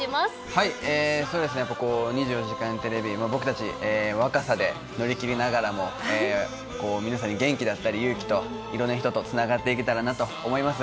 そうですね、２４時間テレビ、僕たち、若さで乗り切りながらも、皆さんに元気だったり、勇気と、いろんな人とつながっていけたらなと思います。